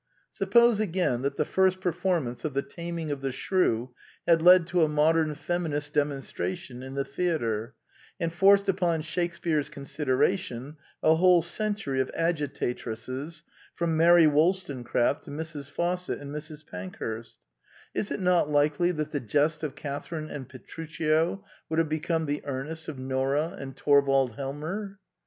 Suppose, again, that the first performance of The Taming of the Shrew had led to a modem Femi nist demonstration in the theatre, and forced upon Shakespear's consideration a whole century of agi tatresses, from Mary WoUstonecraft to Mrs. Fawcett and Mrs. Pankhurst, is it not likely that the jest of Katharine and Petruchio would have become the earnest of Nora and Torvald Helmer?